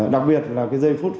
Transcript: đặc biệt là cái dây phút